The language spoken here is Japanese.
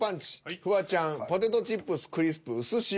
フワちゃん「ポテトチップスクリスプうすしお」。